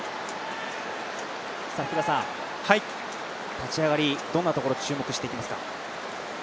立ち上がり、どんなところ注目していますか。